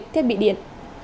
thiết bị điện